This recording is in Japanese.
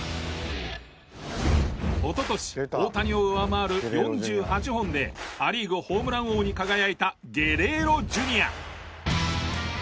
おととし大谷を上回る４８本でア・リーグホームラン王に輝いたゲレーロＪｒ．。